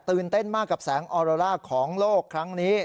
เต้นมากกับแสงออโรล่าของโลกครั้งนี้